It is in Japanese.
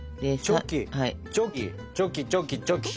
ジョキンチョキチョキチョキチョキ。